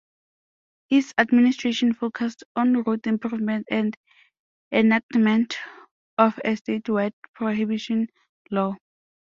His administration focused on road improvement and enactment of a statewide prohibition law.